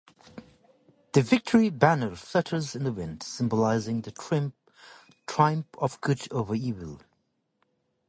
The Victory Banner flutters in the wind, symbolizing the triumph of good over evil.